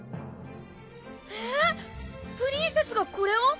えぇっ⁉プリンセスがこれを？